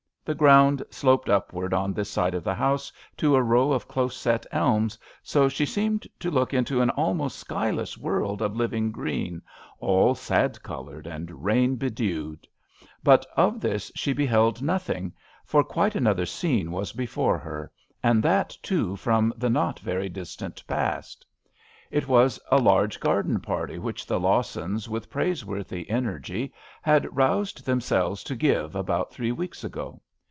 The ground sloped upward on this side of the house to a row of close set elms, so she seemed to look into an almost skyless world of living green, all sad coloured A RAINY DAY. 127 and rain bedewed ; but of this she beheld nothing, for quite another scene was before her, and that, too, from the not very distant past. It was at a large garden party which the Lawsons, with praise worthy energy, had roused them selves to give about three weeks ago.